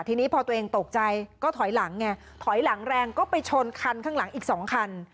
ทีนี้พอตัวเองตกใจก็ถอยหลังไงถอยหลังแรงก็ไปชนคันข้างหลังอีก๒คัน